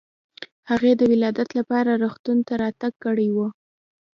هغې د ولادت لپاره روغتون ته راتګ کړی و.